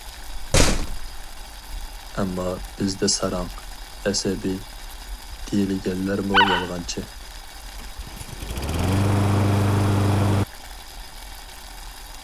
ئەمما بىزدە ساراڭ، ئەسەبىي دېيىلگەنلەرمۇ يالغانچى.